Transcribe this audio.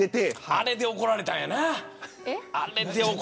あれで怒られたんやな。